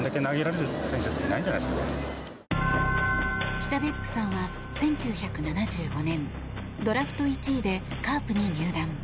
北別府さんは、１９７５年ドラフト１位でカープに入団。